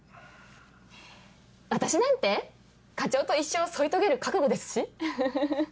私なんて課長と一生添い遂げる覚悟ですしウフフ。